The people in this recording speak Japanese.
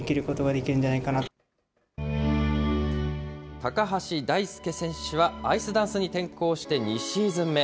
高橋大輔選手はアイスダンスに転向して２シーズン目。